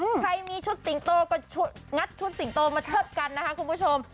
ใครมีชุดสิงโตก็งัดชุดสิงโตมาเชิดกันนะคะคุณผู้ชม